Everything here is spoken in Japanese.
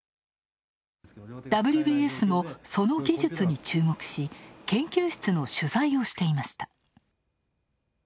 「ＷＢＳ」も、その技術に注目し研究室の取材をしていました。